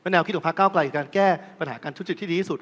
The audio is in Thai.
แนวคิดของพักเก้าไกลคือการแก้ปัญหาการทุจริตที่ดีที่สุด